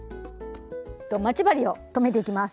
待ち針を留めていきます。